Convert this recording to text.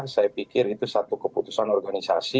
saya pikir itu satu keputusan organisasi